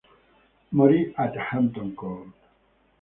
Morì ad Hampton Court.